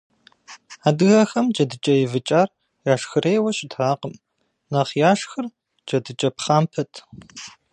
Адыгэхэм джэдыкӏэ ивыкӏар яшхырейуэ щытакъым, нэхъ яшхыр джэдыкӏэ пхъампэт.